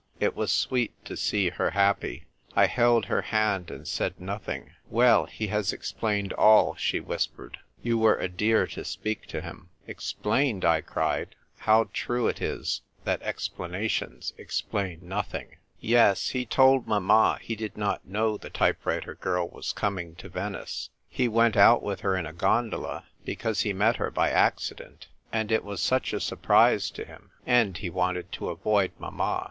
It was sweet to see her happy. I held her hand and said nothing. "Well, he has explained all," she whispered. "You were a dear to speak to him." " Explained !" I cried. How true it is that explanations explain nothing ! "Yes, he told mamma he did not know the type writer girl was coming to Venice. He went out with her in a gondola because he met her by accident — and it was such a surprise to him; and he wanted to avoid mamma.